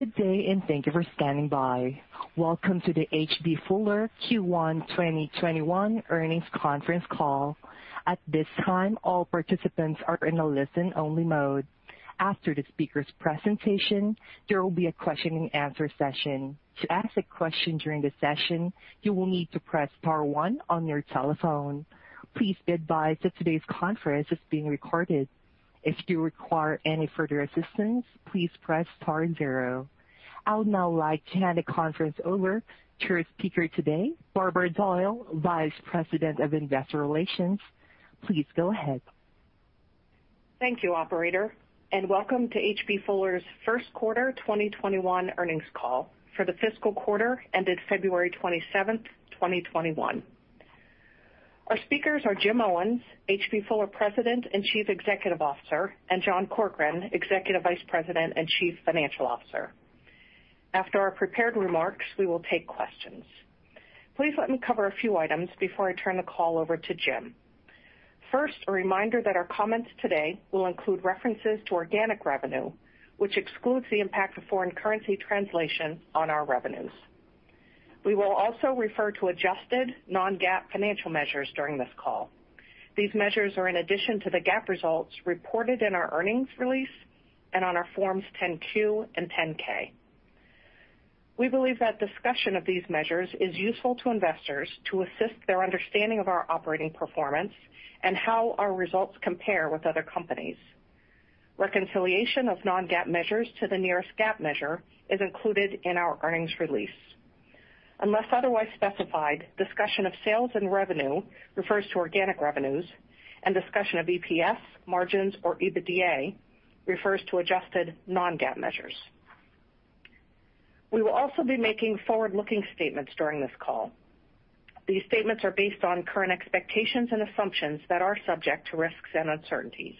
Good day. Thank you for standing by. Welcome to the H.B. Fuller Q1 2021 Earnings Conference Call. At this time, all participants are in a listen-only mode. After the speaker's presentation, there will be a question-and-answer session. To ask a question during the session, you will need to press star one on your telephone. Please be advised that today's conference is being recorded. If you require any further assistance, please press star zero. I would now like to hand the conference over to your speaker today, Barbara Doyle, Vice President of Investor Relations. Please go ahead. Thank you, operator, and welcome to H.B. Fuller's First Quarter 2021 Earnings Call for the fiscal quarter ending February 27th, 2021. Our speakers are Jim Owens, H.B. Fuller President and Chief Executive Officer, and John Corkrean, Executive Vice President and Chief Financial Officer. After our prepared remarks, we will take questions. Please let me cover a few items before I turn the call over to Jim. First, a reminder that our comments today will include references to organic revenue, which excludes the impact of foreign currency translation on our revenues. We will also refer to adjusted non-GAAP financial measures during this call. These measures are in addition to the GAAP results reported in our earnings release and on our forms 10-Q and 10-K. We believe that discussion of these measures is useful to investors to assist their understanding of our operating performance and how our results compare with other companies. Reconciliation of non-GAAP measures to the nearest GAAP measure is included in our earnings release. Unless otherwise specified, discussion of sales and revenue refers to organic revenues, and discussion of EPS, margins, or EBITDA refers to adjusted non-GAAP measures. We will also be making forward-looking statements during this call. These statements are based on current expectations and assumptions that are subject to risks and uncertainties.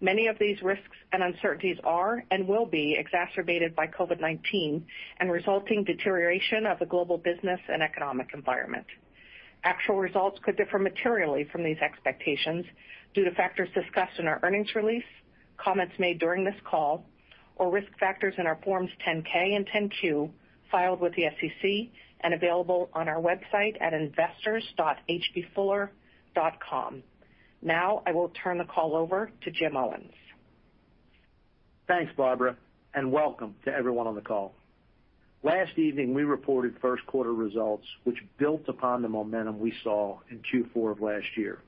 Many of these risks and uncertainties are and will be exacerbated by COVID-19 and resulting deterioration of the global business and economic environment. Actual results could differ materially from these expectations due to factors discussed in our earnings release, comments made during this call, or risk factors in our forms 10-K and 10-Q filed with the SEC and available on our website at investors.hbfuller.com. Now, I will turn the call over to Jim Owens. Thanks, Barbara, and welcome to everyone on the call. Last evening, we reported first quarter results, which built upon the momentum we saw in Q4 of last year.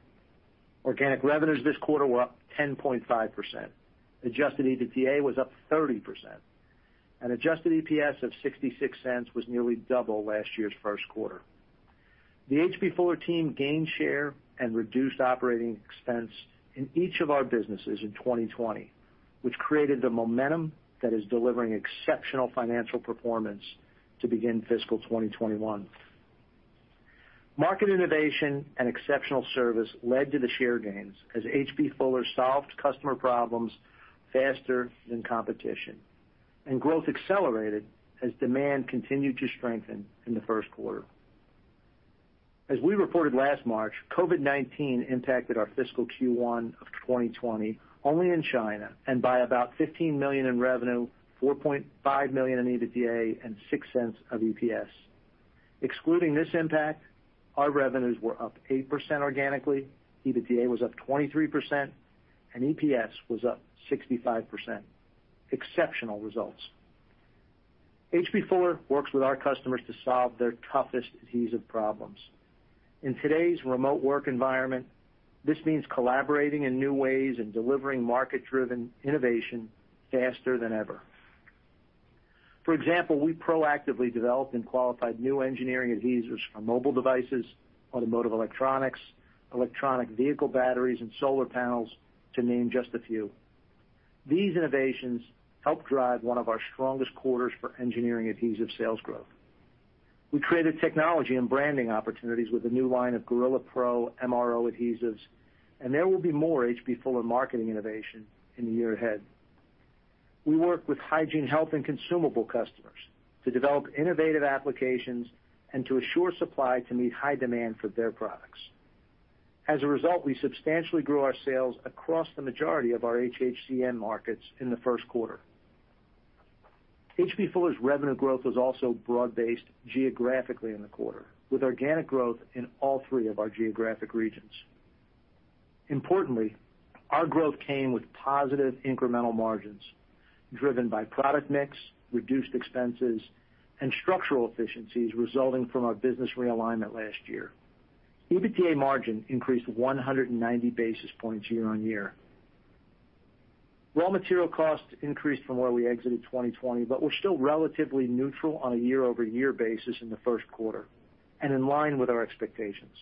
Organic revenues this quarter were up 10.5%. Adjusted EBITDA was up 30%, and adjusted EPS of $0.66 was nearly double last year's first quarter. The H.B. Fuller team gained share and reduced operating expense in each of our businesses in 2020, which created the momentum that is delivering exceptional financial performance to begin fiscal 2021. Market innovation and exceptional service led to the share gains as H.B. Fuller solved customer problems faster than competition, and growth accelerated as demand continued to strengthen in the first quarter. As we reported last March, COVID-19 impacted our fiscal Q1 of 2020 only in China and by about $15 million in revenue, $4.5 million in EBITDA, and $0.06 of EPS. Excluding this impact, our revenues were up 8% organically, EBITDA was up 23%, and EPS was up 65%. Exceptional results. H.B. Fuller works with our customers to solve their toughest adhesive problems. In today's remote work environment, this means collaborating in new ways and delivering market-driven innovation faster than ever. For example, we proactively developed and qualified new Engineering Adhesives for mobile devices, automotive electronics, electronic vehicle batteries, and solar panels, to name just a few. These innovations helped drive one of our strongest quarters for Engineering Adhesives sales growth. We created technology and branding opportunities with a new line of GorillaPro MRO adhesives. There will be more H.B. Fuller marketing innovation in the year ahead. We work with Hygiene, Health and Consumable customers to develop innovative applications and to assure supply can meet high demand for their products. As a result, we substantially grew our sales across the majority of our HHC end markets in the first quarter. H.B. Fuller's revenue growth was also broad-based geographically in the quarter, with organic growth in all three of our geographic regions. Importantly, our growth came with positive incremental margins driven by product mix, reduced expenses, and structural efficiencies resulting from our business realignment last year. EBITDA margin increased 190 basis points year-on-year. Raw material costs increased from where we exited 2020, were still relatively neutral on a year-over-year basis in the first quarter and in line with our expectations.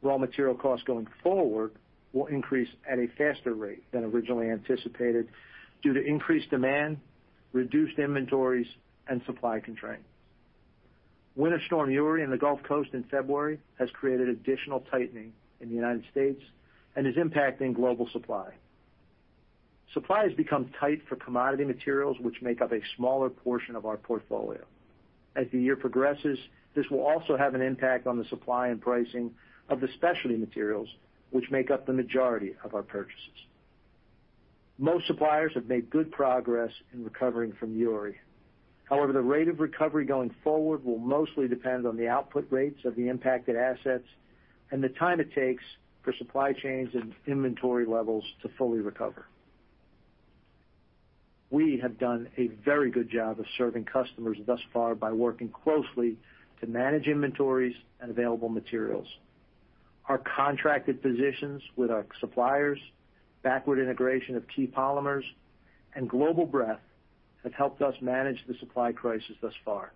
Raw material costs going forward will increase at a faster rate than originally anticipated due to increased demand, reduced inventories, and supply constraints. Winter Storm Uri in the Gulf Coast in February has created additional tightening in the United States and is impacting global supply. Supply has become tight for commodity materials, which make up a smaller portion of our portfolio. As the year progresses, this will also have an impact on the supply and pricing of the specialty materials, which make up the majority of our purchases. Most suppliers have made good progress in recovering from Uri. However, the rate of recovery going forward will mostly depend on the output rates of the impacted assets and the time it takes for supply chains and inventory levels to fully recover. We have done a very good job of serving customers thus far by working closely to manage inventories and available materials. Our contracted positions with our suppliers, backward integration of key polymers, and global breadth have helped us manage the supply crisis thus far.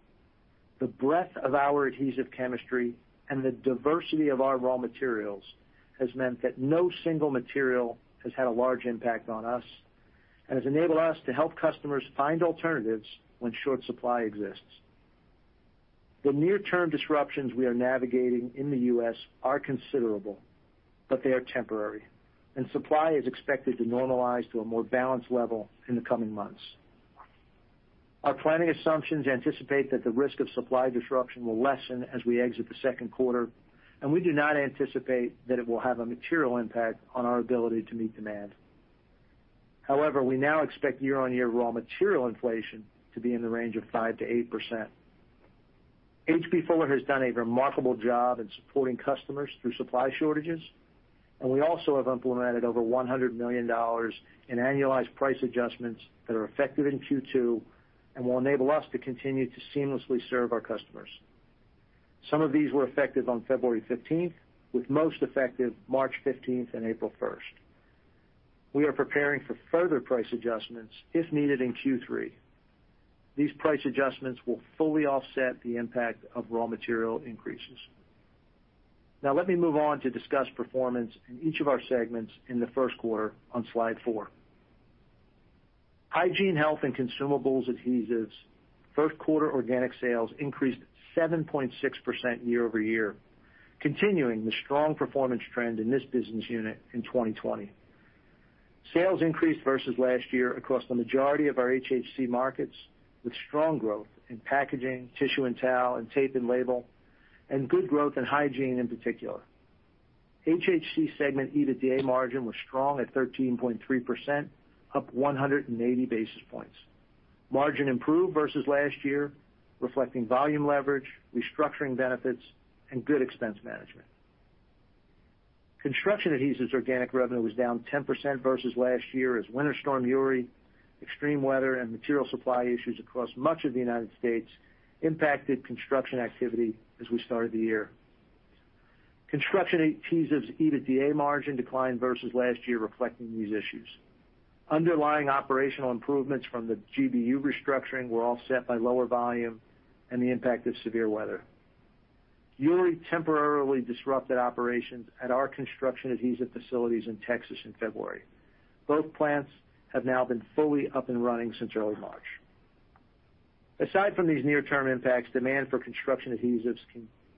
The breadth of our adhesive chemistry and the diversity of our raw materials has meant that no single material has had a large impact on us and has enabled us to help customers find alternatives when short supply exists. The near term disruptions we are navigating in the U.S. are considerable, but they are temporary, and supply is expected to normalize to a more balanced level in the coming months. Our planning assumptions anticipate that the risk of supply disruption will lessen as we exit the second quarter, and we do not anticipate that it will have a material impact on our ability to meet demand. We now expect year-over-year raw material inflation to be in the range of 5%-8%. H.B. Fuller has done a remarkable job in supporting customers through supply shortages. We also have implemented over $100 million in annualized price adjustments that are effective in Q2 and will enable us to continue to seamlessly serve our customers. Some of these were effective on February 15th, with most effective March 15th and April 1st. We are preparing for further price adjustments if needed in Q3. These price adjustments will fully offset the impact of raw material increases. Now let me move on to discuss performance in each of our segments in the first quarter on slide four. Hygiene, Health and Consumable Adhesives first quarter organic sales increased 7.6% year-over-year, continuing the strong performance trend in this business unit in 2020. Sales increased versus last year across the majority of our HHC markets, with strong growth in packaging, tissue and towel, and tape and label, and good growth in hygiene in particular. HHC segment EBITDA margin was strong at 13.3%, up 180 basis points. Margin improved versus last year, reflecting volume leverage, restructuring benefits, and good expense management. Construction Adhesives organic revenue was down 10% versus last year as Winter Storm Uri, extreme weather, and material supply issues across much of the United States impacted construction activity as we started the year. Construction Adhesives EBITDA margin declined versus last year, reflecting these issues. Underlying operational improvements from the GBU restructuring were offset by lower volume and the impact of severe weather. Uri temporarily disrupted operations at our construction adhesive facilities in Texas in February. Both plants have now been fully up and running since early March. Aside from these near-term impacts, demand for Construction Adhesives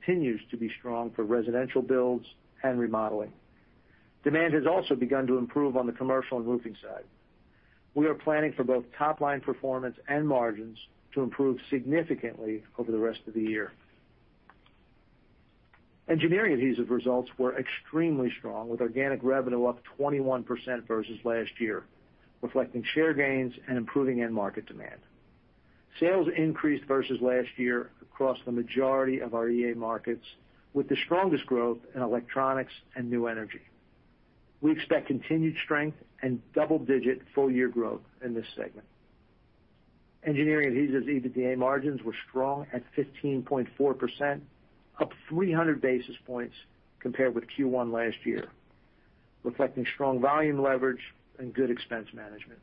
continues to be strong for residential builds and remodeling. Demand has also begun to improve on the commercial and roofing side. We are planning for both top-line performance and margins to improve significantly over the rest of the year. Engineering Adhesives results were extremely strong, with organic revenue up 21% versus last year, reflecting share gains and improving end market demand. Sales increased versus last year across the majority of our EA markets, with the strongest growth in electronics and new energy. We expect continued strength and double-digit full-year growth in this segment. Engineering Adhesives EBITDA margins were strong at 15.4%, up 300 basis points compared with Q1 last year, reflecting strong volume leverage and good expense management.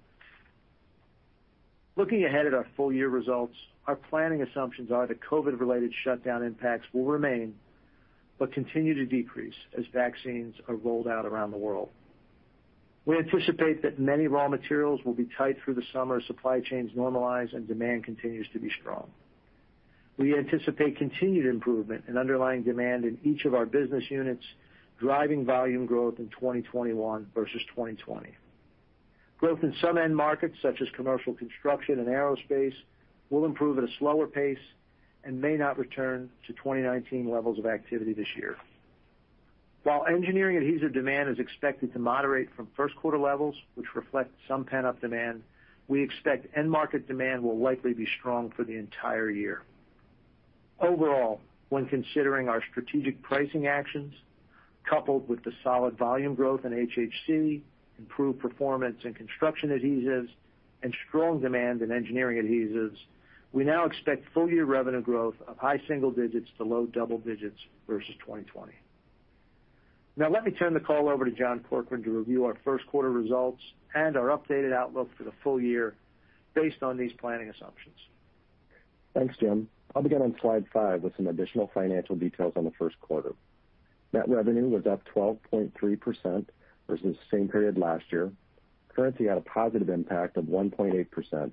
Looking ahead at our full-year results, our planning assumptions are the COVID related shutdown impacts will remain but continue to decrease as vaccines are rolled out around the world. We anticipate that many raw materials will be tight through the summer as supply chains normalize and demand continues to be strong. We anticipate continued improvement in underlying demand in each of our business units, driving volume growth in 2021 versus 2020. Growth in some end markets, such as commercial construction and aerospace, will improve at a slower pace and may not return to 2019 levels of activity this year. While engineering adhesive demand is expected to moderate from first quarter levels, which reflect some pent up demand, we expect end market demand will likely be strong for the entire year. Overall, when considering our strategic pricing actions, coupled with the solid volume growth in HHC, improved performance in Construction Adhesives, and strong demand in Engineering Adhesives, we now expect full-year revenue growth of high single digits to low double digits versus 2020. Now let me turn the call over to John Corkrean to review our first quarter results and our updated outlook for the full-year based on these planning assumptions. Thanks, Jim. I'll begin on slide five with some additional financial details on the first quarter. Net revenue was up 12.3% versus the same period last year. Currency had a positive impact of 1.8%.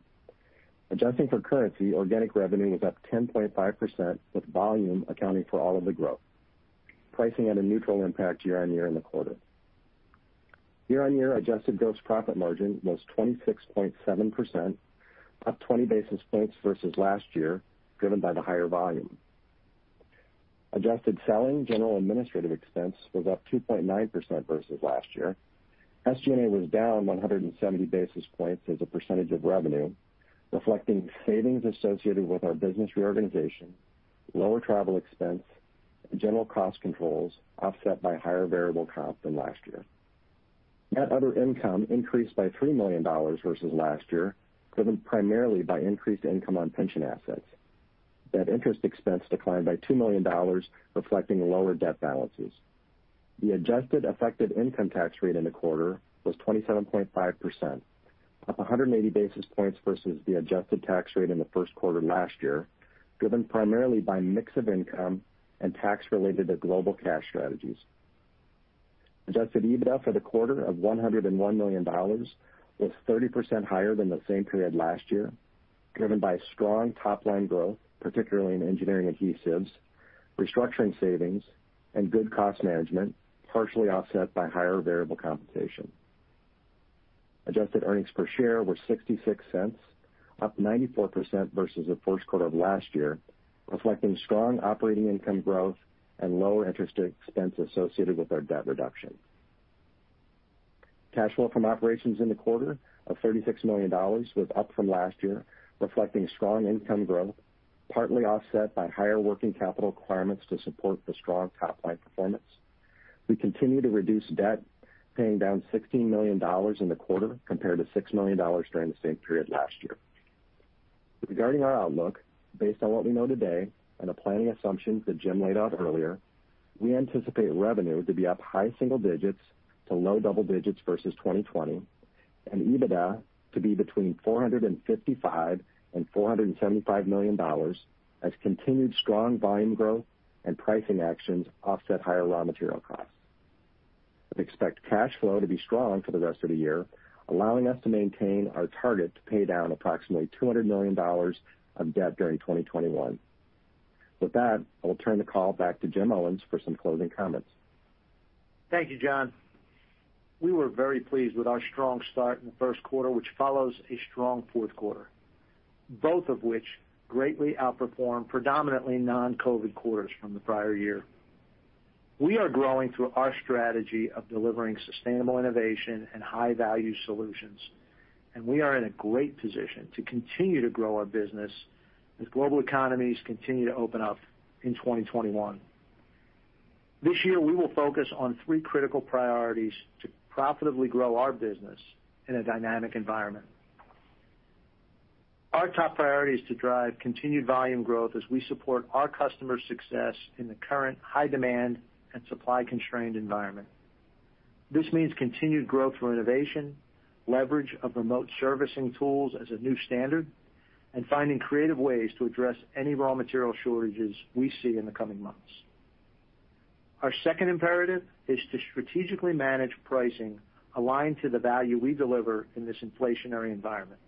Adjusting for currency, organic revenue was up 10.5%, with volume accounting for all of the growth. Pricing had a neutral impact year-on-year in the quarter. Year-on-year adjusted gross profit margin was 26.7%, up 20 basis points versus last year, driven by the higher volume. Adjusted selling, general administrative expense was up 2.9% versus last year. SG&A was down 170 basis points as a percentage of revenue, reflecting savings associated with our business reorganization, lower travel expense, general cost controls offset by higher variable comp than last year. Net other income increased by $3 million versus last year, driven primarily by increased income on pension assets. Net interest expense declined by $2 million, reflecting lower debt balances. The adjusted effective income tax rate in the quarter was 27.5%, up 180 basis points versus the adjusted tax rate in the first quarter last year, driven primarily by mix of income and tax related to global cash strategies. Adjusted EBITDA for the quarter of $101 million was 30% higher than the same period last year, driven by strong top-line growth, particularly in Engineering Adhesives, restructuring savings, and good cost management, partially offset by higher variable compensation. Adjusted earnings per share were $0.66, up 94% versus the first quarter of last year, reflecting strong operating income growth and lower interest expense associated with our debt reduction. Cash flow from operations in the quarter of $36 million was up from last year, reflecting strong income growth, partly offset by higher working capital requirements to support the strong top-line performance. We continue to reduce debt, paying down $16 million in the quarter compared to $6 million during the same period last year. Regarding our outlook, based on what we know today and the planning assumptions that Jim laid out earlier, we anticipate revenue to be up high single digits to low double digits versus 2020, and EBITDA to be between $455 million and $475 million as continued strong volume growth and pricing actions offset higher raw material costs. We expect cash flow to be strong for the rest of the year, allowing us to maintain our target to pay down approximately $200 million of debt during 2021. With that, I will turn the call back to Jim Owens for some closing comments. Thank you, John. We were very pleased with our strong start in the first quarter, which follows a strong fourth quarter, both of which greatly outperformed predominantly non-COVID quarters from the prior year. We are growing through our strategy of delivering sustainable innovation and high-value solutions, and we are in a great position to continue to grow our business as global economies continue to open up in 2021. This year, we will focus on three critical priorities to profitably grow our business in a dynamic environment. Our top priority is to drive continued volume growth as we support our customers' success in the current high-demand and supply-constrained environment. This means continued growth through innovation, leverage of remote servicing tools as a new standard, and finding creative ways to address any raw material shortages we see in the coming months. Our second imperative is to strategically manage pricing aligned to the value we deliver in this inflationary environment.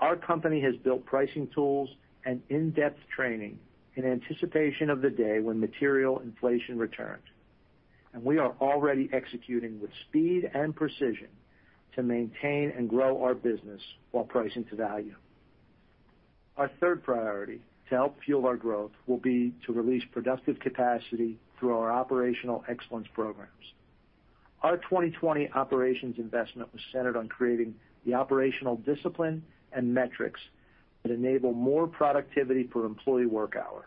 Our company has built pricing tools and in-depth training in anticipation of the day when material inflation returns, and we are already executing with speed and precision to maintain and grow our business while pricing to value. Our third priority to help fuel our growth will be to release productive capacity through our operational excellence programs. Our 2020 operations investment was centered on creating the operational discipline and metrics that enable more productivity per employee work hour.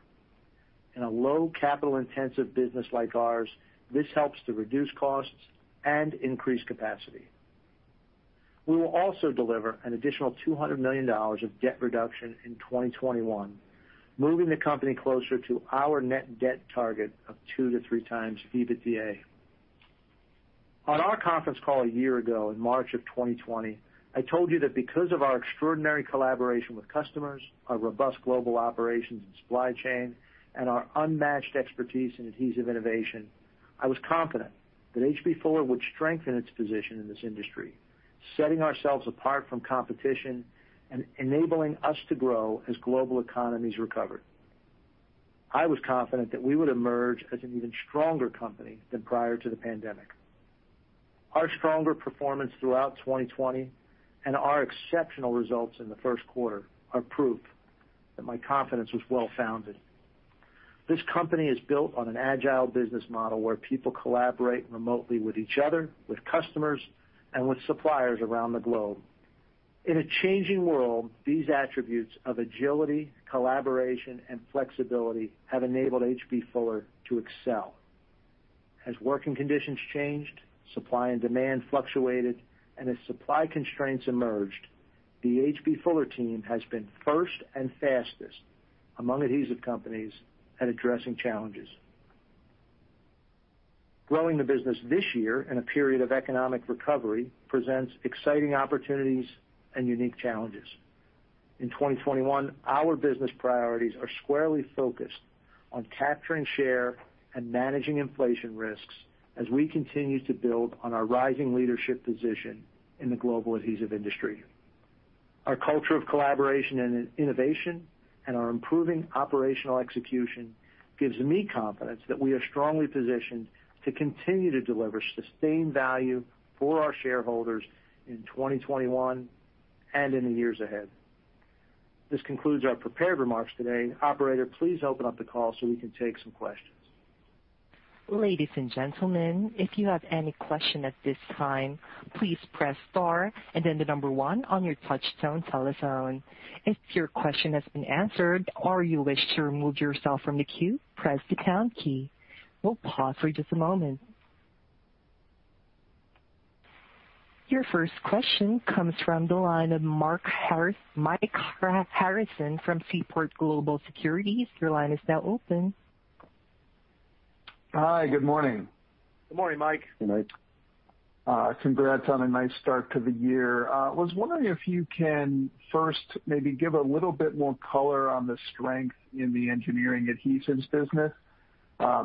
In a low capital-intensive business like ours, this helps to reduce costs and increase capacity. We will also deliver an additional $200 million of debt reduction in 2021, moving the company closer to our net debt target of two to three times EBITDA. On our conference call a year ago, in March of 2020, I told you that because of our extraordinary collaboration with customers, our robust global operations and supply chain, and our unmatched expertise in adhesive innovation, I was confident that H.B. Fuller would strengthen its position in this industry, setting ourselves apart from competition and enabling us to grow as global economies recovered. I was confident that we would emerge as an even stronger company than prior to the pandemic. Our stronger performance throughout 2020 and our exceptional results in the first quarter are proof that my confidence was well-founded. This company is built on an agile business model where people collaborate remotely with each other, with customers, and with suppliers around the globe. In a changing world, these attributes of agility, collaboration, and flexibility have enabled H.B. Fuller to excel. As working conditions changed, supply and demand fluctuated, and as supply constraints emerged, the H.B. Fuller team has been first and fastest among adhesive companies at addressing challenges. Growing the business this year in a period of economic recovery presents exciting opportunities and unique challenges. In 2021, our business priorities are squarely focused on capturing share and managing inflation risks as we continue to build on our rising leadership position in the global adhesive industry. Our culture of collaboration and innovation and our improving operational execution gives me confidence that we are strongly positioned to continue to deliver sustained value for our shareholders in 2021 and in the years ahead. This concludes our prepared remarks today. Operator, please open up the call so we can take some questions. Your first question comes from the line of Mike Harrison from Seaport Research Partners. Your line is now open. Hi, good morning. Good morning, Mike. Hey, Mike. Congrats on a nice start to the year. I was wondering if you can first maybe give a little bit more color on the strength in the Engineering Adhesives business.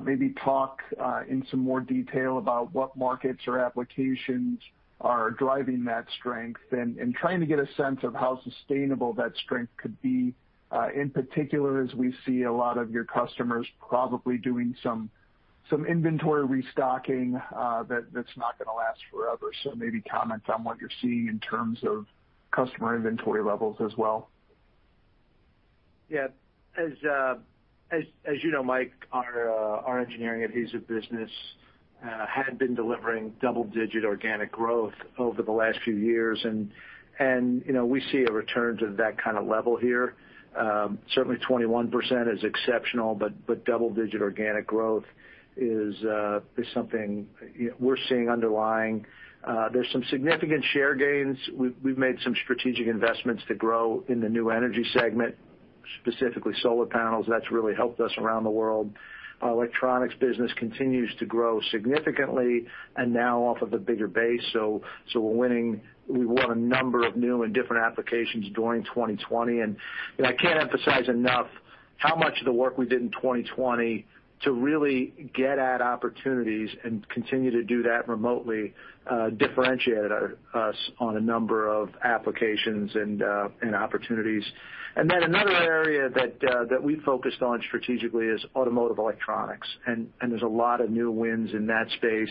Maybe talk in some more detail about what markets or applications are driving that strength, and trying to get a sense of how sustainable that strength could be. In particular, as we see a lot of your customers probably doing some inventory restocking, that's not going to last forever. Maybe comment on what you're seeing in terms of customer inventory levels as well. Yeah. As you know, Mike, our Engineering Adhesives business had been delivering double-digit organic growth over the last few years. We see a return to that kind of level here. Certainly 21% is exceptional, but double-digit organic growth is something we're seeing underlying. There's some significant share gains. We've made some strategic investments to grow in the new energy segment, specifically solar panels. That's really helped us around the world. Our electronics business continues to grow significantly and now off of a bigger base. We won a number of new and different applications during 2020. I can't emphasize enough how much of the work we did in 2020 to really get at opportunities and continue to do that remotely differentiated us on a number of applications and opportunities. Another area that we focused on strategically is automotive electronics. There's a lot of new wins in that space.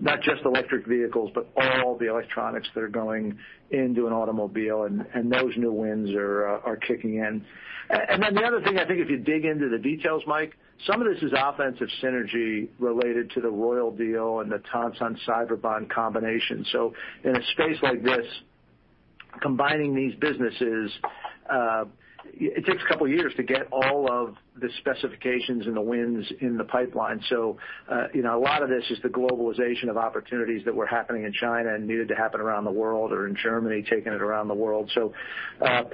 Not just electric vehicles, but all the electronics that are going into an automobile, and those new wins are kicking in. Then the other thing, I think, if you dig into the details, Mike, some of this is offensive synergy related to the Royal deal and the Tonsan Cyberbond combination. In a space like this, combining these businesses, it takes a couple of years to get all of the specifications and the wins in the pipeline. A lot of this is the globalization of opportunities that were happening in China and needed to happen around the world, or in Germany, taking it around the world. The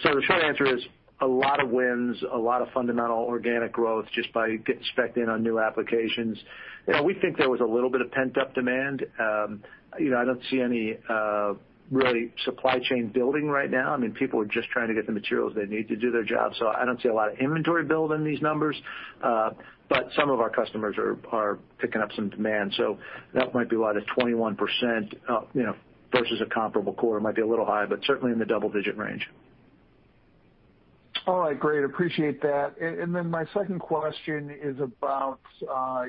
short answer is a lot of wins, a lot of fundamental organic growth just by getting spec'd in on new applications. We think there was a little bit of pent-up demand. I don't see any really supply chain building right now. People are just trying to get the materials they need to do their job. I don't see a lot of inventory build in these numbers. Some of our customers are picking up some demand. That might be why the 21% versus a comparable quarter might be a little high, but certainly in the double digit range. All right, great. Appreciate that. Then my second question is about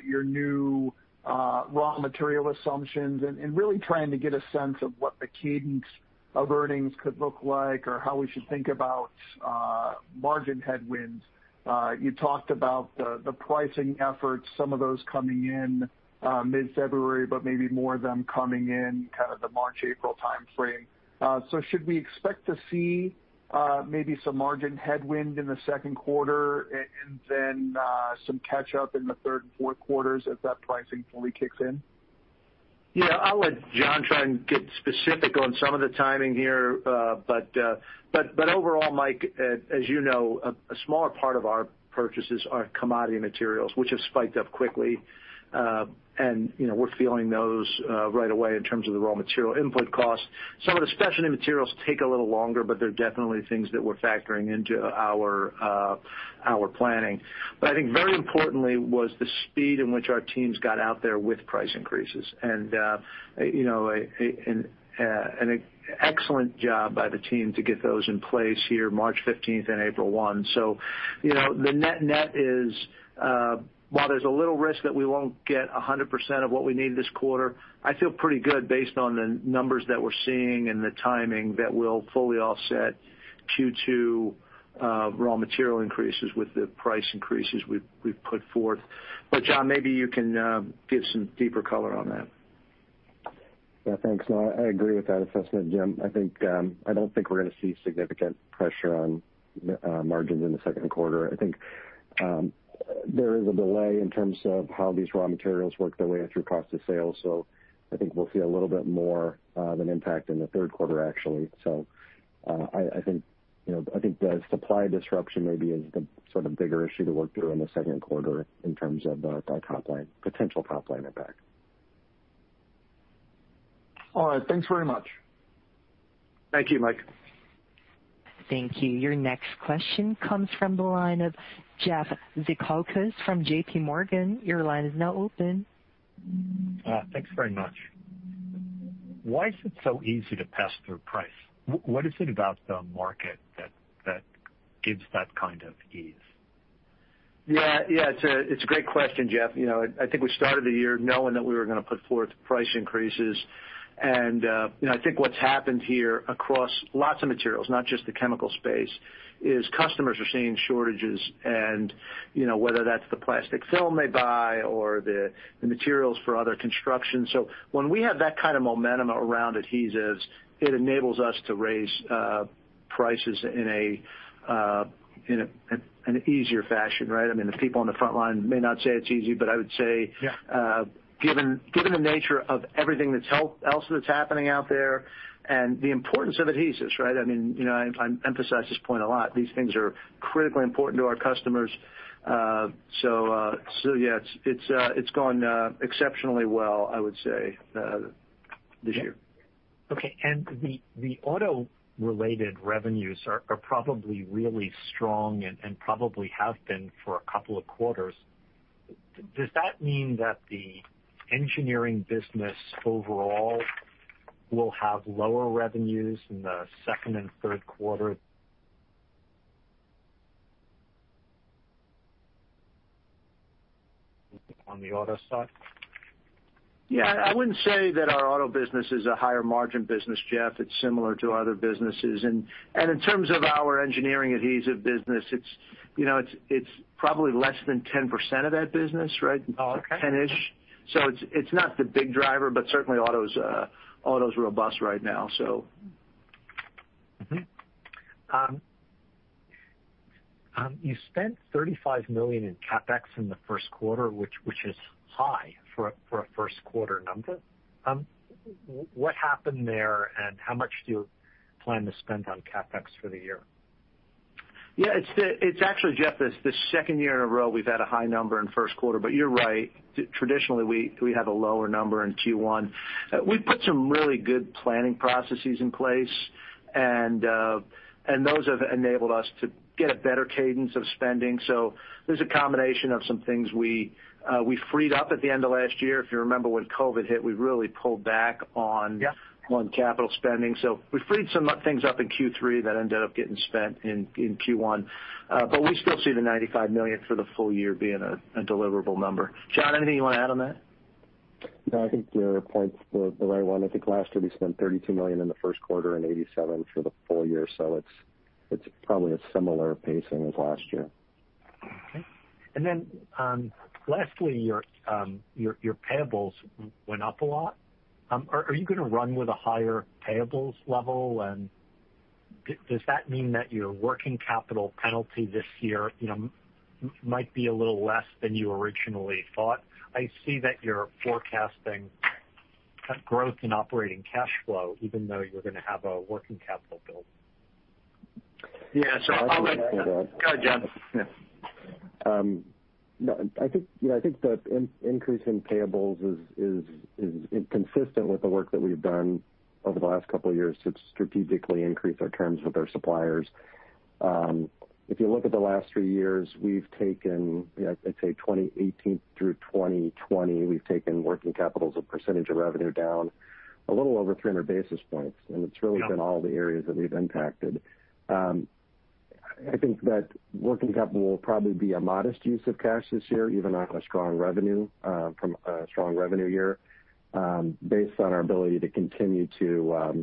your new raw material assumptions and really trying to get a sense of what the cadence of earnings could look like or how we should think about margin headwinds. You talked about the pricing efforts, some of those coming in mid-February, but maybe more of them coming in kind of the March, April timeframe. Should we expect to see maybe some margin headwind in the second quarter and then some catch up in the third and fourth quarters as that pricing fully kicks in? Yeah, I'll let John try and get specific on some of the timing here. Overall, Mike, as you know, a smaller part of our purchases are commodity materials, which have spiked up quickly. We're feeling those right away in terms of the raw material input costs. Some of the specialty materials take a little longer, but they're definitely things that we're factoring into our planning. I think very importantly was the speed in which our teams got out there with price increases. An excellent job by the team to get those in place here March 15th and April 1. The net is, while there's a little risk that we won't get 100% of what we need this quarter, I feel pretty good based on the numbers that we're seeing and the timing that we'll fully offset Q2 raw material increases with the price increases we've put forth. John, maybe you can give some deeper color on that. Thanks. No, I agree with that assessment, Jim. I don't think we're going to see significant pressure on margins in the second quarter. I think there is a delay in terms of how these raw materials work their way through cost of sales. I think we'll see a little bit more of an impact in the third quarter, actually. I think the supply disruption maybe is the sort of bigger issue to work through in the second quarter in terms of potential top-line impact. All right. Thanks very much. Thank you, Mike. Thank you. Your next question comes from the line of Jeff Zekauskas from JPMorgan. Your line is now open. Thanks very much. Why is it so easy to pass through price? What is it about the market that gives that kind of ease? Yeah. It's a great question, Jeff. I think we started the year knowing that we were going to put forth price increases. I think what's happened here across lots of materials, not just the chemical space, is customers are seeing shortages. Whether that's the plastic film they buy or the materials for other construction. When we have that kind of momentum around adhesives, it enables us to raise prices in an easier fashion, right? The people on the front line may not say it's easy, I would say. Yeah Given the nature of everything else that's happening out there and the importance of adhesives, right? I emphasize this point a lot. These things are critically important to our customers. Yeah. It's gone exceptionally well, I would say, this year. Okay. The auto related revenues are probably really strong and probably have been for a couple of quarters. Does that mean that the engineering business overall will have lower revenues in the second and third quarter on the auto side? Yeah. I wouldn't say that our auto business is a higher margin business, Jeff. It's similar to other businesses. In terms of our Engineering Adhesives business, it's probably less than 10% of that business, right? Oh, okay. Ten-ish. It's not the big driver, but certainly auto is robust right now. You spent $35 million in CapEx in the first quarter, which is high for a first quarter number. What happened there, and how much do you plan to spend on CapEx for the year? It's actually, Jeff, the second year in a row we've had a high number in first quarter. You're right. Traditionally, we have a lower number in Q1. We put some really good planning processes in place, and those have enabled us to get a better cadence of spending. There's a combination of some things we freed up at the end of last year. If you remember when COVID-19 hit, we really pulled back on. Yeah We freed some things up in Q3 that ended up getting spent in Q1. We still see the $95 million for the full-year being a deliverable number. John, anything you want to add on that? I think your points were the right one. I think last year we spent $32 million in the first quarter and $87 for the full-year. It's probably a similar pacing as last year. Okay. Lastly, your payables went up a lot. Are you going to run with a higher payables level? Does that mean that your working capital penalty this year might be a little less than you originally thought? I see that you're forecasting growth in operating cash flow even though you're going to have a working capital build. Yeah. Go ahead, John. No, I think the increase in payables is consistent with the work that we've done over the last couple of years to strategically increase our terms with our suppliers. If you look at the last three years, we've taken, I'd say 2018 through 2020, we've taken working capital as a percentage of revenue down a little over 300 basis points, and it's really been all the areas that we've impacted. I think that working capital will probably be a modest use of cash this year, even on a strong revenue year, based on our ability to continue to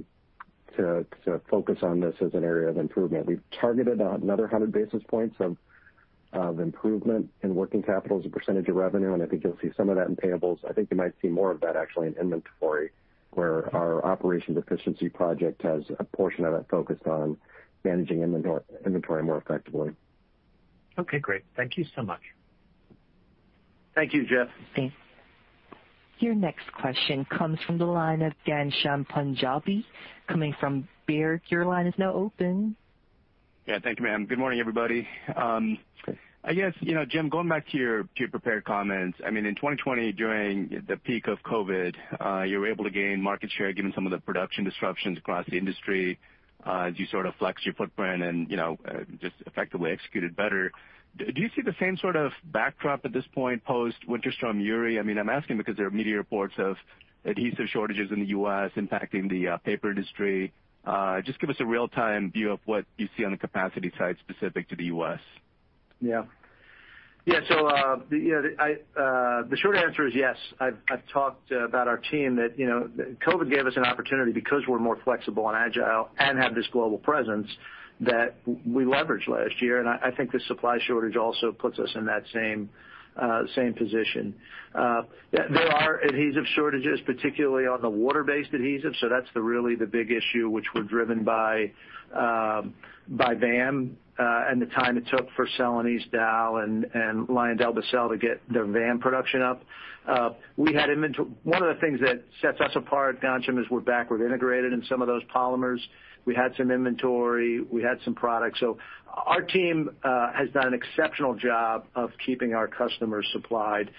focus on this as an area of improvement. We've targeted another 100 basis points of improvement in working capital as a percentage of revenue, and I think you'll see some of that in payables. I think you might see more of that actually in inventory, where our operations efficiency project has a portion of that focused on managing inventory more effectively. Okay, great. Thank you so much. Thank you, Jeff. Thanks. Your next question comes from the line of Ghansham Panjabi coming from Baird. Your line is now open. Yeah, thank you, ma'am. Good morning, everybody. Good. I guess, Jim, going back to your prepared comments. In 2020, during the peak of COVID, you were able to gain market share given some of the production disruptions across the industry. You sort of flexed your footprint and just effectively executed better. Do you see the same sort of backdrop at this point post Winter Storm Uri? I'm asking because there are media reports of adhesive shortages in the U.S. impacting the paper industry. Just give us a real time view of what you see on the capacity side specific to the U.S. The short answer is yes. I've talked about our team that COVID gave us an opportunity because we're more flexible and agile and have this global presence that we leveraged last year, and I think the supply shortage also puts us in that same position. There are adhesive shortages, particularly on the water-based adhesive, so that's really the big issue, which were driven by VAM and the time it took for Celanese, Dow, and LyondellBasell to get their VAM production up. One of the things that sets us apart, Ghansham, is we're backward integrated in some of those polymers. We had some inventory. We had some product. Our team has done an exceptional job of keeping our customers supplied.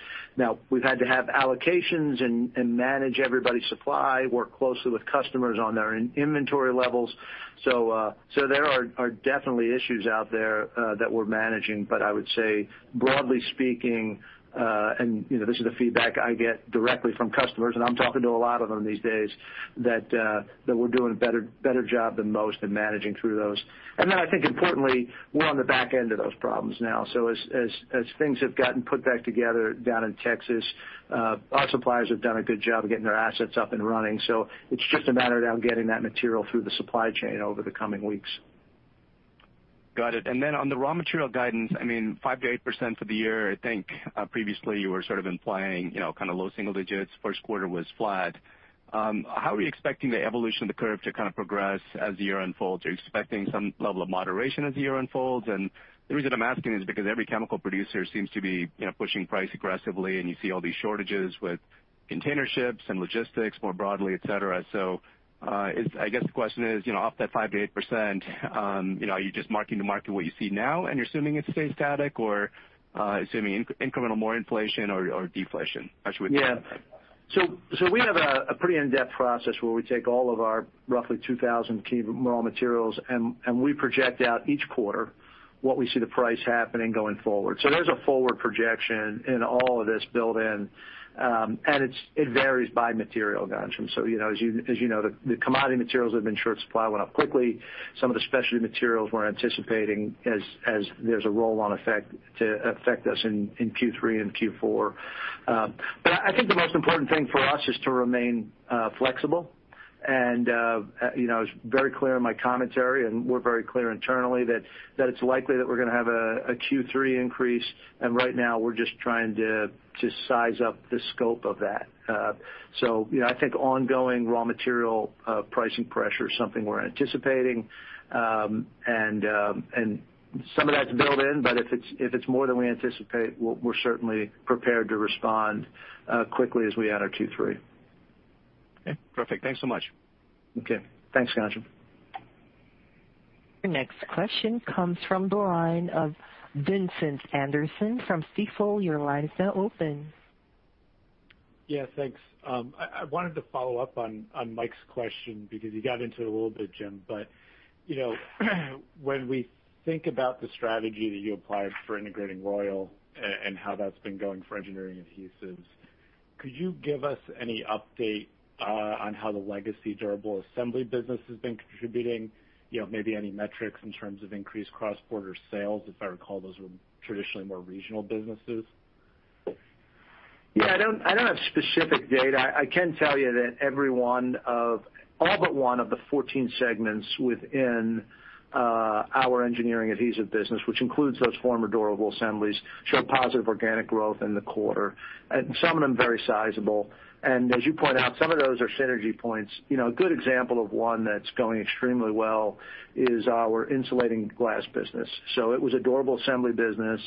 We've had to have allocations and manage everybody's supply, work closely with customers on their inventory levels. There are definitely issues out there that we're managing. I would say, broadly speaking, and this is the feedback I get directly from customers, and I'm talking to a lot of them these days, that we're doing a better job than most in managing through those. I think importantly, we're on the back end of those problems now. As things have gotten put back together down in Texas, our suppliers have done a good job of getting their assets up and running. It's just a matter of now getting that material through the supply chain over the coming weeks. Got it. On the raw material guidance, 5%-8% for the year. I think previously you were implying kind of low single digits. First quarter was flat. How are you expecting the evolution of the curve to progress as the year unfolds? Are you expecting some level of moderation as the year unfolds? The reason I'm asking is because every chemical producer seems to be pushing price aggressively, and you see all these shortages with container ships and logistics more broadly, et cetera. I guess the question is, off that 5%-8%, are you just marking to market what you see now and you're assuming it stays static or assuming incremental more inflation or deflation? How should we think about that? We have a pretty in-depth process where we take all of our roughly 2,000 key raw materials, and we project out each quarter what we see the price happening going forward. There's a forward projection in all of this built in, and it varies by material, Ghansham. As you know, the commodity materials that have been short supply went up quickly. Some of the specialty materials we're anticipating as there's a roll-on effect to affect us in Q3 and Q4. I think the most important thing for us is to remain flexible, and I was very clear in my commentary, and we're very clear internally that it's likely that we're going to have a Q3 increase. Right now, we're just trying to size up the scope of that. I think ongoing raw material pricing pressure is something we're anticipating. Some of that's built in, but if it's more than we anticipate, we're certainly prepared to respond quickly as we enter Q3. Okay, perfect. Thanks so much. Okay. Thanks, Ghansham. Your next question comes from the line of Vincent Anderson from Stifel. Your line is now open. Yeah, thanks. I wanted to follow up on Mike's question because you got into it a little bit, Jim. When we think about the strategy that you applied for integrating Royal and how that's been going for Engineering Adhesives, could you give us any update on how the legacy Durable Assembly business has been contributing? Maybe any metrics in terms of increased cross-border sales? If I recall, those were traditionally more regional businesses. Yeah, I don't have specific data. I can tell you that every one of, all but one of the 14 segments within our Engineering Adhesives business, which includes those former Durable Assemblies, show positive organic growth in the quarter, and some of them very sizable. As you point out, some of those are synergy points. A good example of one that's going extremely well is our insulating glass business. It was a Durable Assembly business.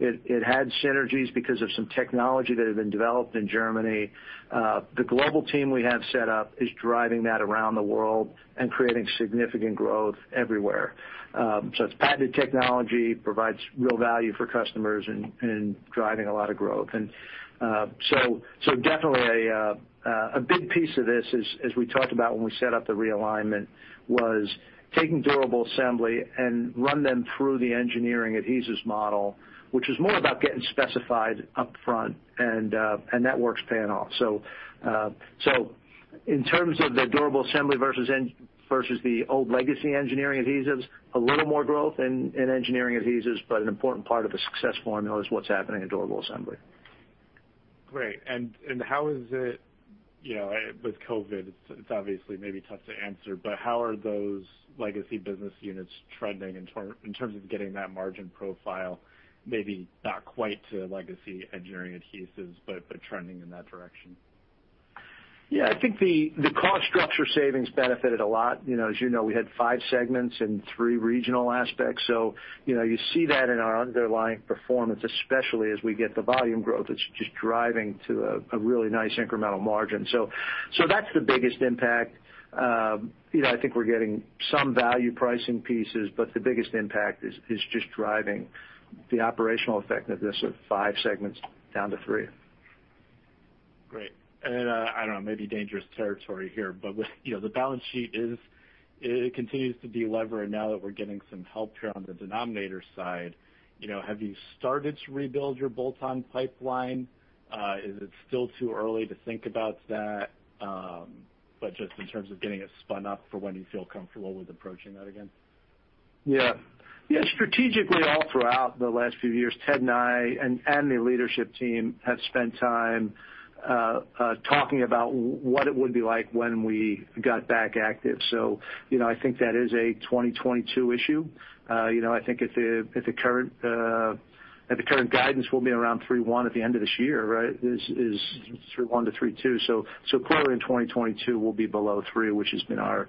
It had synergies because of some technology that had been developed in Germany. The global team we have set up is driving that around the world and creating significant growth everywhere. It's patented technology, provides real value for customers, and driving a lot of growth. Definitely a big piece of this, as we talked about when we set up the realignment, was taking Durable Assembly and run them through the Engineering Adhesives model, which was more about getting specified up front, and that work's paying off. In terms of the Durable Assembly versus the old legacy Engineering Adhesives, a little more growth in Engineering Adhesives, but an important part of the success formula is what's happening at Durable Assembly. How is it with COVID? It's obviously maybe tough to answer, but how are those legacy business units trending in terms of getting that margin profile? Maybe not quite to legacy Engineering Adhesives, but trending in that direction. Yeah. I think the cost structure savings benefited a lot. As you know, we had five segments and three regional aspects, so you see that in our underlying performance, especially as we get the volume growth. It's just driving to a really nice incremental margin. That's the biggest impact. I think we're getting some value pricing pieces, the biggest impact is just driving the operational effectiveness of five segments down to three. Great. I don't know, maybe dangerous territory here, but the balance sheet continues to de-lever, and now that we're getting some help here on the denominator side. Have you started to rebuild your bolt-on pipeline? Is it still too early to think about that? Just in terms of getting it spun up for when you feel comfortable with approaching that again. Yeah. Strategically, all throughout the last few years, Ted and I, and the leadership team have spent time talking about what it would be like when we got back active. I think that is a 2022 issue. I think if the current guidance will be around 3.1 at the end of this year, is 3.1 to 3.2. Quarter in 2022 will be below three, which has been our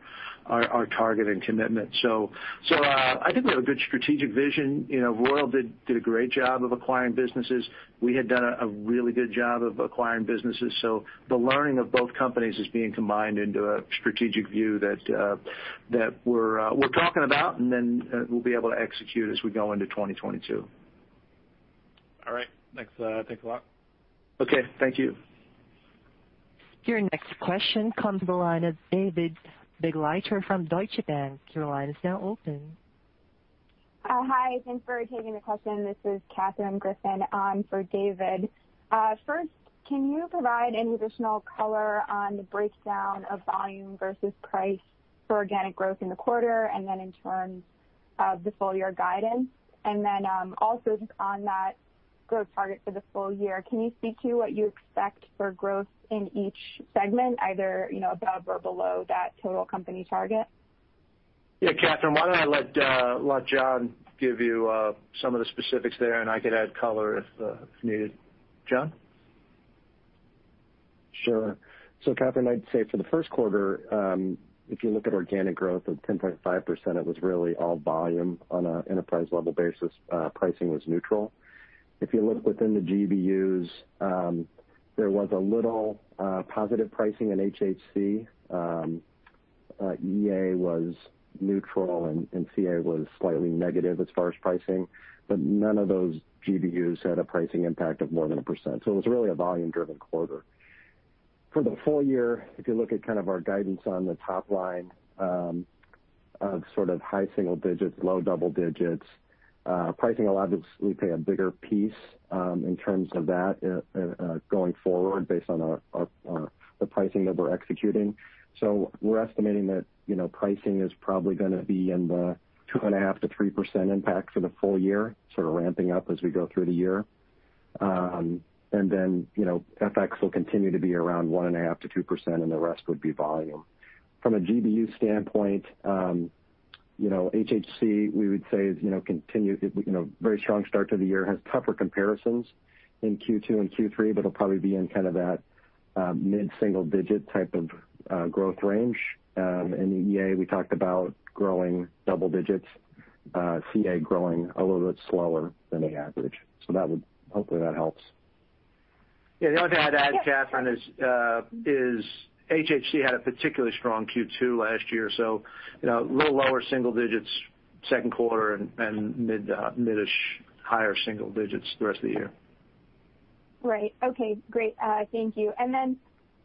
target and commitment. I think we have a good strategic vision. Royal did a great job of acquiring businesses. We had done a really good job of acquiring businesses. The learning of both companies is being combined into a strategic view that we're talking about, then we'll be able to execute as we go into 2022. All right. Thanks a lot. Okay. Thank you. Your next question comes from the line of David Begleiter from Deutsche Bank. Your line is now open. Hi. Thanks for taking the question. This is Katherine Griffin on for David. First, can you provide any additional color on the breakdown of volume versus price for organic growth in the quarter, and then in terms of the full-year guidance? Also just on that growth target for the full-year. Can you speak to what you expect for growth in each segment, either above or below that total company target? Yeah, Katherine, why don't I let John give you some of the specifics there, and I could add color if needed. John? Sure. Katherine, I'd say for the first quarter, if you look at organic growth of 10.5%, it was really all volume on an enterprise level basis. Pricing was neutral. If you look within the GBUs, there was a little positive pricing in HHC. EA was neutral, and CA was slightly negative as far as pricing, but none of those GBUs had a pricing impact of more than 1%, so it was really a volume driven quarter. For the full-year, if you look at kind of our guidance on the top line, of sort of high single digits, low double digits. Pricing will obviously play a bigger piece, in terms of that, going forward based on the pricing that we're executing. We're estimating that pricing is probably gonna be in the 2.5%-3% impact for the full-year, sort of ramping up as we go through the year. FX will continue to be around 1.5%-2%, and the rest would be volume. From a GBU standpoint, HHC, we would say, very strong start to the year, has tougher comparisons in Q2 and Q3, but it'll probably be in kind of that mid-single digit type of growth range. In EA, we talked about growing double digits, CA growing a little bit slower than the average. Hopefully that helps. The only thing I'd add, Katherine, is HHC had a particularly strong Q2 last year, so a little lower single digits second quarter and mid-ish higher single digits the rest of the year. Right. Okay, great. Thank you.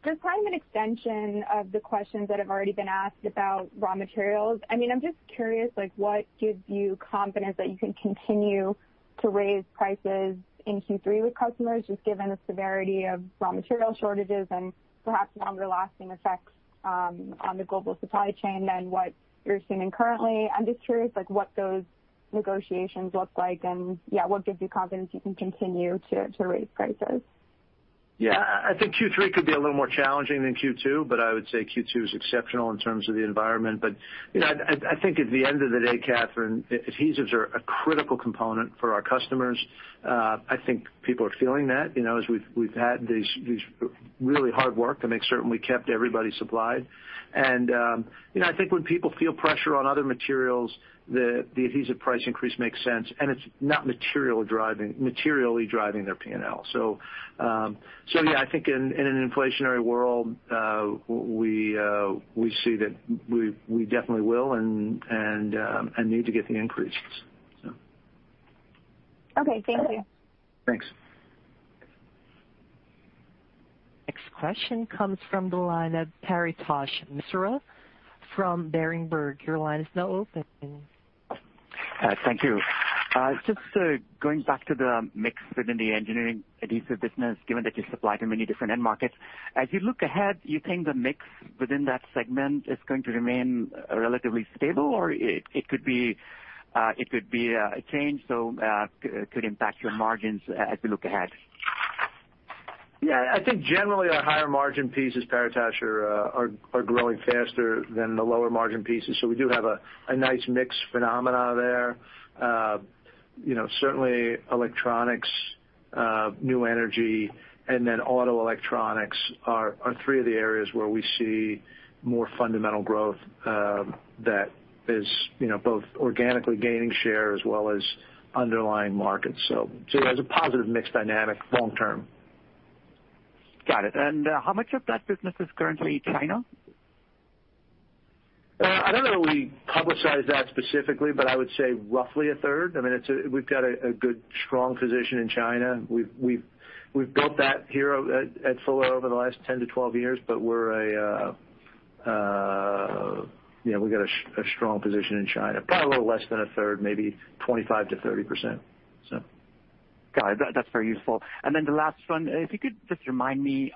Just kind of an extension of the questions that have already been asked about raw materials. I'm just curious, what gives you confidence that you can continue to raise prices in Q3 with customers, just given the severity of raw material shortages and perhaps longer lasting effects on the global supply chain than what you're seeing currently? I'm just curious what those negotiations look like, yeah, what gives you confidence you can continue to raise prices? I think Q3 could be a little more challenging than Q2, but I would say Q2 is exceptional in terms of the environment. I think at the end of the day, Katherine, adhesives are a critical component for our customers. I think people are feeling that, as we've had these really hard work to make certain we kept everybody supplied. I think when people feel pressure on other materials, the adhesive price increase makes sense, and it's not materially driving their P&L. Yeah, I think in an inflationary world, we see that we definitely will and need to get the increases. Okay. Thank you. Thanks. Next question comes from the line of Paretosh Misra from Berenberg. Your line is now open. Thank you. Just going back to the mix within the Engineering Adhesives business, given that you supply to many different end markets. As you look ahead, you think the mix within that segment is going to remain relatively stable, or it could be a change, so could impact your margins as we look ahead? I think generally our higher margin pieces, Paretosh, are growing faster than the lower margin pieces. We do have a nice mix phenomenon there. Electronics, new energy, and auto electronics are three of the areas where we see more fundamental growth, that is both organically gaining share as well as underlying markets. There's a positive mix dynamic long term. Got it. How much of that business is currently China? I don't know that we publicize that specifically, but I would say roughly a third. We've got a good, strong position in China. We've built that here at Fuller over the last 10-12 years, but we got a strong position in China. Probably a little less than a third, maybe 25%-30%, so. Got it. That's very useful. The last one, if you could just remind me,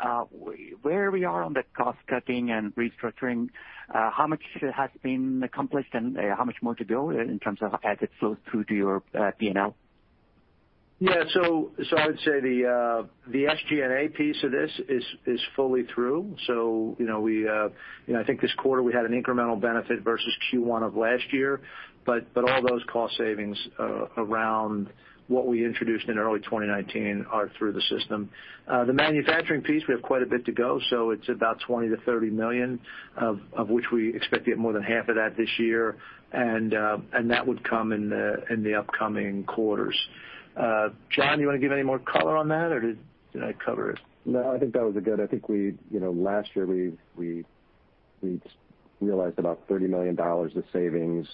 where we are on the cost cutting and restructuring. How much has been accomplished and how much more to go in terms of as it flows through to your P&L? Yeah. I would say the SG&A piece of this is fully through. I think this quarter we had an incremental benefit versus Q1 of last year. All those cost savings, around what we introduced in early 2019 are through the system. The manufacturing piece, we have quite a bit to go, so it's about $20 million to $30 million, of which we expect to get more than half of that this year. That would come in the upcoming quarters. John, you want to give any more color on that, or did I cover it? No, I think that was it. I think last year, we realized about $30 million of savings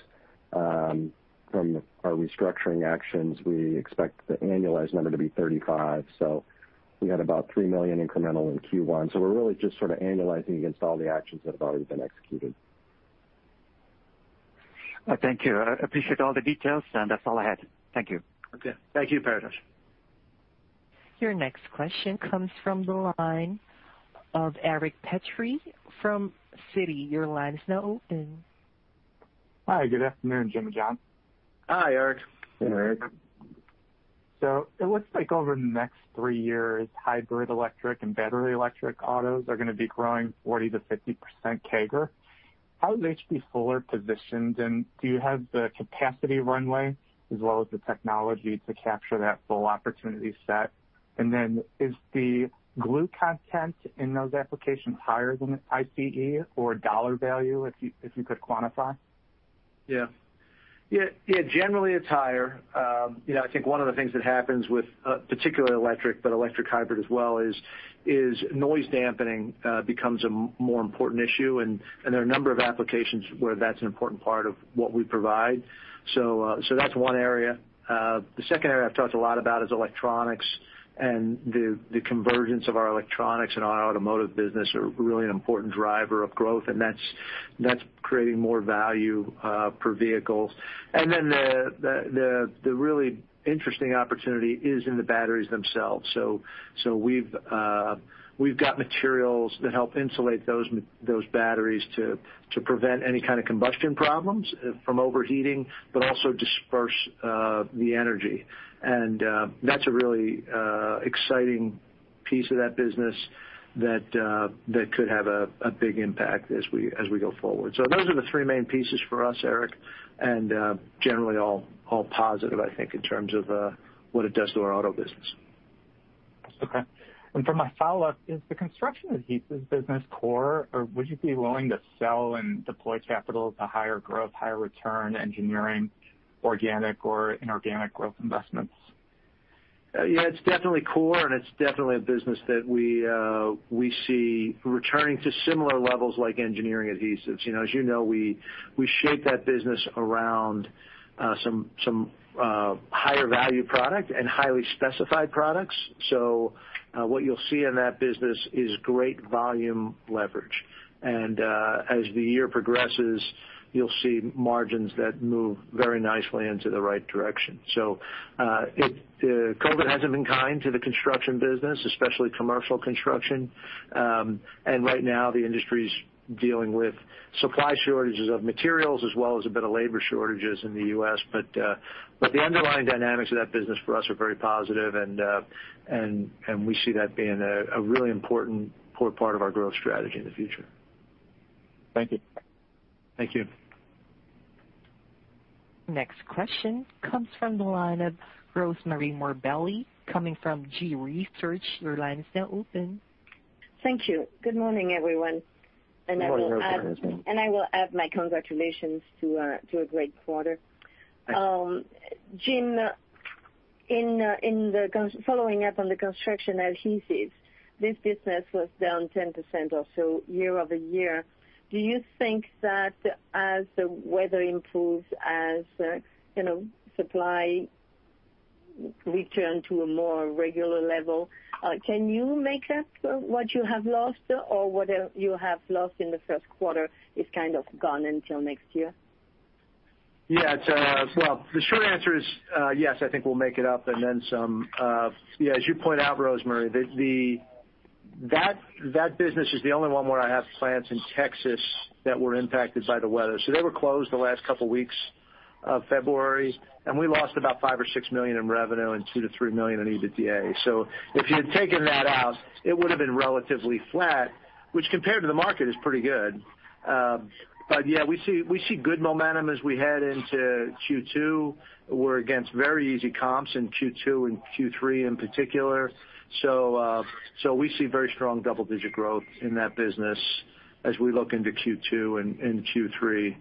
from our restructuring actions. We expect the annualized number to be $35 million. We had about $3 million incremental in Q1. We're really just sort of annualizing against all the actions that have already been executed. Thank you. I appreciate all the details, and that's all I had. Thank you. Okay. Thank you, Paretosh. Your next question comes from the line of Eric Petrie from Citi. Your line is now open. Hi. Good afternoon, Jim and John. Hi, Eric. Hey, Eric. It looks like over the next three years, hybrid electric and battery electric autos are going to be growing 40% to 50% CAGR. How is H.B. Fuller positioned, and do you have the capacity runway as well as the technology to capture that full opportunity set? Is the glue content in those applications higher than an ICE or dollar value, if you could quantify? Yeah. Generally, it's higher. I think one of the things that happens with, particularly electric, but electric hybrid as well is, noise dampening becomes a more important issue, and there are a number of applications where that's an important part of what we provide. That's one area. The second area I've talked a lot about is electronics, and the convergence of our electronics and our automotive business are really an important driver of growth, and that's creating more value per vehicle. The really interesting opportunity is in the batteries themselves. We've got materials that help insulate those batteries to prevent any kind of combustion problems from overheating, but also disperse the energy. That's a really exciting piece of that business that could have a big impact as we go forward. Those are the three main pieces for us, Eric, and generally all positive, I think, in terms of what it does to our auto business. Okay. For my follow-up, is the Construction Adhesives business core, or would you be willing to sell and deploy capital to higher growth, higher return Engineering Adhesives, organic or inorganic growth investments? Yeah, it's definitely core, and it's definitely a business that we see returning to similar levels like Engineering Adhesives. As you know, we shape that business around some higher value product and highly specified products. What you'll see in that business is great volume leverage. As the year progresses, you'll see margins that move very nicely into the right direction. COVID-19 hasn't been kind to the Construction Adhesives business, especially commercial construction. Right now, the industry's dealing with supply shortages of materials as well as a bit of labor shortages in the U.S. The underlying dynamics of that business for us are very positive, and we see that being a really important part of our growth strategy in the future. Thank you. Thank you. Next question comes from the line of Rosemarie Morbelli coming from G. Research. Your line is now open. Thank you. Good morning, everyone. Good morning, Rosemarie. I will add my congratulations to a great quarter. Thank you. Jim, following up on the Construction Adhesives, this business was down 10% or so year-over-year. Do you think that as the weather improves, as supply return to a more regular level, can you make up what you have lost, or whatever you have lost in the first quarter is kind of gone until next year? Yeah. Well, the short answer is yes, I think we'll make it up, and then some. As you point out, Rosemarie, that business is the only one where I have plants in Texas that were impacted by the weather. They were closed the last couple weeks of February, and we lost about $5 million or $6 million in revenue and $2 million to $3 million in EBITDA. If you had taken that out, it would have been relatively flat, which compared to the market, is pretty good. Yeah, we see good momentum as we head into Q2. We're against very easy comps in Q2 and Q3 in particular. We see very strong double-digit growth in that business as we look into Q2 and Q3.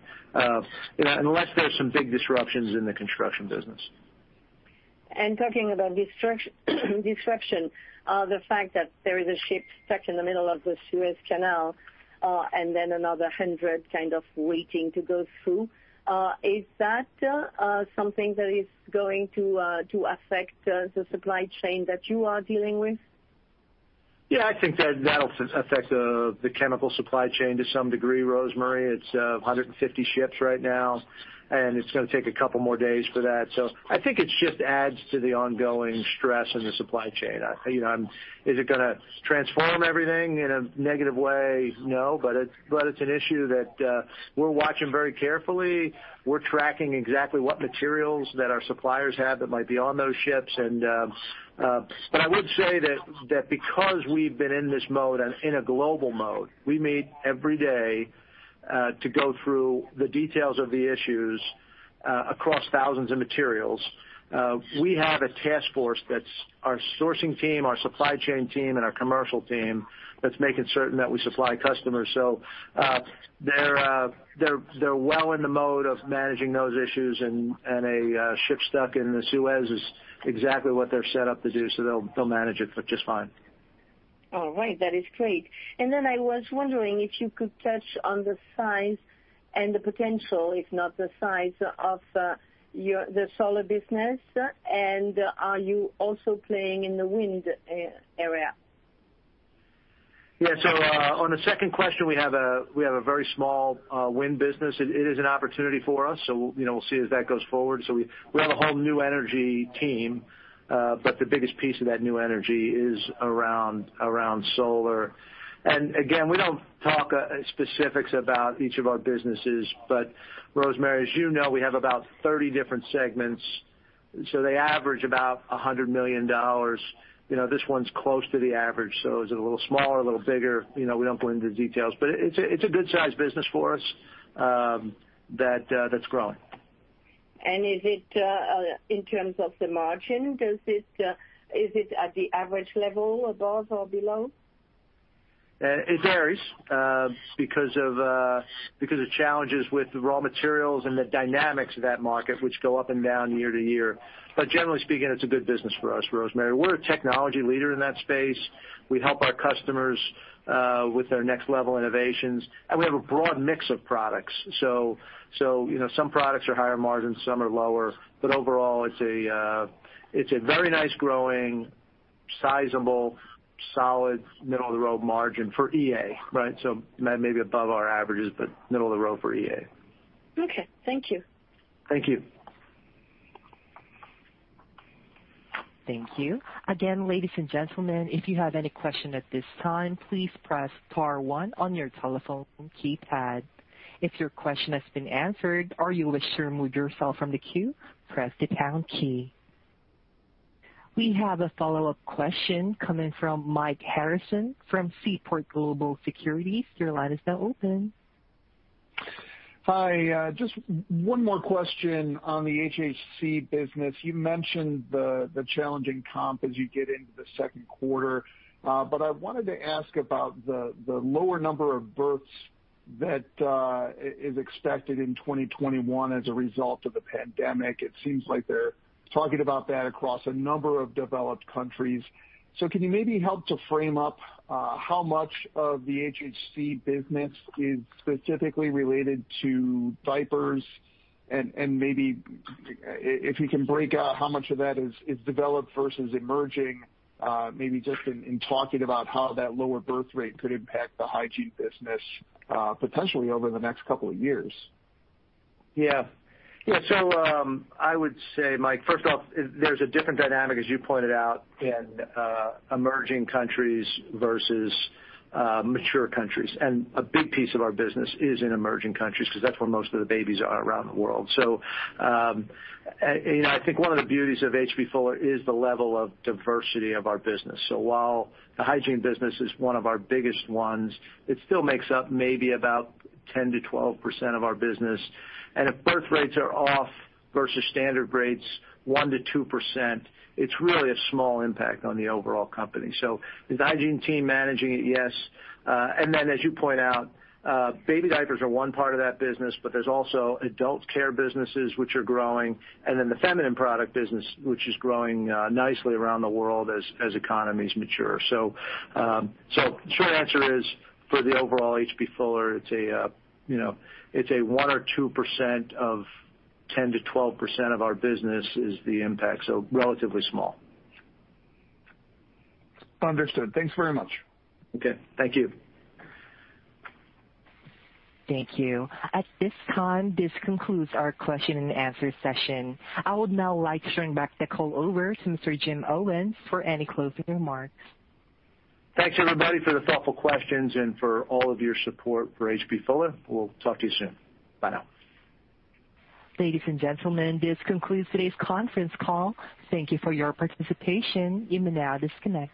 Unless there's some big disruptions in the Construction business. Talking about disruption, the fact that there is a ship stuck in the middle of the Suez Canal, and then another 100 kind of waiting to go through, is that something that is going to affect the supply chain that you are dealing with? Yeah, I think that'll affect the chemical supply chain to some degree, Rosemarie. It's 150 ships right now. It's going to take a couple more days for that. I think it just adds to the ongoing stress in the supply chain. Is it going to transform everything in a negative way? No. It's an issue that we're watching very carefully. We're tracking exactly what materials that our suppliers have that might be on those ships. I would say that because we've been in this mode and in a global mode, we meet every day to go through the details of the issues across thousands of materials. We have a task force that's our sourcing team, our supply chain team, and our commercial team that's making certain that we supply customers. They're well in the mode of managing those issues. A ship stuck in the Suez is exactly what they're set up to do. They'll manage it just fine. All right. That is great. I was wondering if you could touch on the size and the potential, if not the size of the solar business. Are you also playing in the wind area? On the second question, we have a very small wind business. It is an opportunity for us, we'll see as that goes forward. We have a whole new energy team, but the biggest piece of that new energy is around solar. Again, we don't talk specifics about each of our businesses, but Rosemarie, as you know, we have about 30 different segments. So they average about $100 million. This one's close to the average, is it a little smaller, a little bigger? We don't go into the details, but it's a good size business for us that's growing. Is it, in terms of the margin, is it at the average level, above or below? It varies because of challenges with raw materials and the dynamics of that market, which go up and down year to year. Generally speaking, it's a good business for us, Rosemarie. We're a technology leader in that space. We help our customers with their next-level innovations, and we have a broad mix of products. Some products are higher margin, some are lower. Overall, it's a very nice growing sizable, solid, middle-of-the-road margin for EA, right? Maybe above our averages, but middle of the road for EA. Okay. Thank you. Thank you. We have a follow-up question coming from Mike Harrison from Seaport Research Partners. Your line is now open. Hi. Just one more question on the HHC business. You mentioned the challenging comp as you get into the second quarter. I wanted to ask about the lower number of births that is expected in 2021 as a result of the pandemic. It seems like they're talking about that across a number of developed countries. Can you maybe help to frame up how much of the HHC business is specifically related to diapers? Maybe if you can break out how much of that is developed versus emerging, maybe just in talking about how that lower birth rate could impact the hygiene business, potentially over the next couple of years. I would say, Mike, first off, there's a different dynamic, as you pointed out, in emerging countries versus mature countries. A big piece of our business is in emerging countries because that's where most of the babies are around the world. I think one of the beauties of H.B. Fuller is the level of diversity of our business. While the hygiene business is one of our biggest ones, it still makes up maybe about 10%-12% of our business. If birth rates are off versus standard rates 1%-2%, it's really a small impact on the overall company. Is hygiene team managing it? Yes. As you point out, baby diapers are one part of that business, but there's also adult care businesses which are growing. The feminine product business, which is growing nicely around the world as economies mature. Short answer is, for the overall H.B. Fuller, it's a 1% or 2% of 10%-12% of our business is the impact. Relatively small. Understood. Thanks very much. Okay. Thank you. Thank you. At this time, this concludes our question-and-answer session. I would now like to turn back the call over to Mr. Jim Owens for any closing remarks. Thanks, everybody, for the thoughtful questions and for all of your support for H.B. Fuller. We'll talk to you soon. Bye now. Ladies and gentlemen, this concludes today's conference call. Thank you for your participation. You may now disconnect.